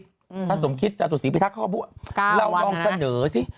ท่านสมคิตจริงไปทักเขาบอกเราต้องเสนอสิ